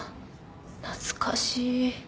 懐かしい。